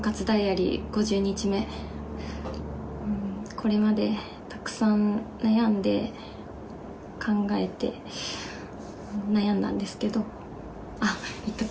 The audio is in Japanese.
これまでたくさん悩んで考えて悩んだんですけどあっ言ったか。